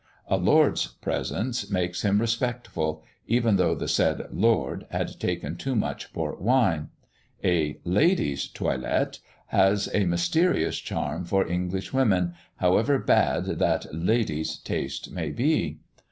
A "lord's" presence makes him respectful, even though the said "lord" had taken too much port wine, A "lady's" toilette has a mysterious charm for English women, however bad that "lady's" taste may be.